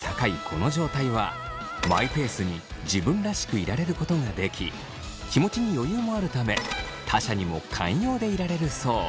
この状態はマイペースに自分らしくいられることができ気持ちに余裕もあるため他者にも寛容でいられるそう。